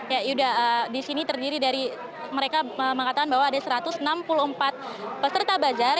ya yuda di sini terdiri dari mereka mengatakan bahwa ada satu ratus enam puluh empat peserta bazar